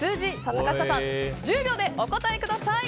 坂下さん、１０秒でお答えください。